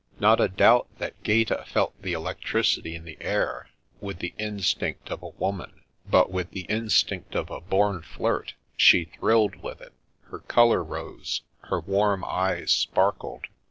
Not a doubt that Gaeta felt the electricity in the air, with the instinct of a woman; but with the instinct of a born flirt, she thrilled with it. Her colour rose; her warm eyes sparkled.